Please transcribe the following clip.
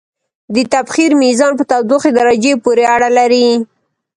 د تبخیر میزان په تودوخې درجې پورې اړه لري.